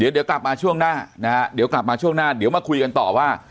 เดี๋ยวกลับมาช่วงหน้านะฮะเดี๋ยวกลับมาช่วงหน้าเดี๋ยวมาคุยกันต่อว่า